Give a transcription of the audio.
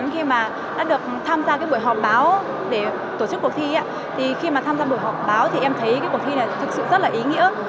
khi mà tham gia buổi họp báo thì em thấy cuộc thi này thật sự rất là ý nghĩa